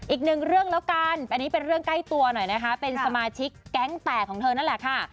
อีกหนึ่งเรื่องแล้วกันอันนี้เป็นเรื่องใกล้ตัวหน่อยนะคะเป็นสมาชิกแก๊งแตกของเธอนั่นแหละค่ะ